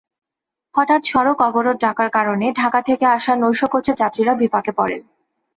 হঠাৎ সড়ক অবরোধ ডাকার কারণে ঢাকা থেকে আসা নৈশকোচের যাত্রীরা বিপাকে পড়েন।